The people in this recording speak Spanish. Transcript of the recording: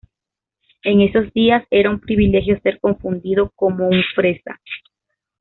En esos días, era un "privilegio" ser confundido como un "Fresa".